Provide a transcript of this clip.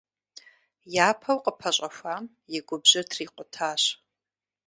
Япэу къыпэщӀэхуам и губжьыр трикъутащ.